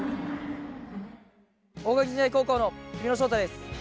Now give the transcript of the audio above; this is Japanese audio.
大垣日大高校の日比野翔太です。